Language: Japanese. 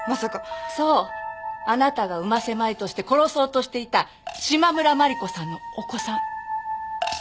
そうあなたが産ませまいとして殺そうとしていた島村万里子さんのお子さん。